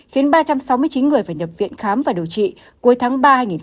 khiến ba trăm sáu mươi chín người phải nhập viện khám và điều trị cuối tháng ba hai nghìn hai mươi